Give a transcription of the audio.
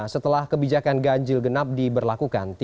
setelah kebijakan ganjil genap diberlakukan